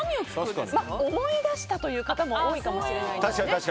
思い出したという方も多いかもしれないですね。